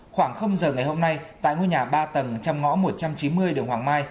khoảng giờ ngày hôm nay tại ngôi nhà ba tầng trong ngõ một trăm chín mươi đường hoàng mai